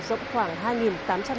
rộng khoảng hai tám trăm linh m hai